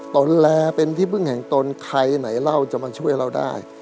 ตนแลเป็นที่พึ่งแห่งตนใครไหนเราจะมาช่วยเราได้